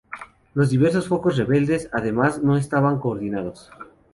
Los diversos focos rebeldes, además, no estaban coordinados.